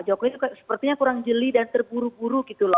jawabannya sepertinya kurang jeli dan terburu buru